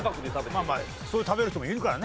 まあまあそう食べる人もいるからね。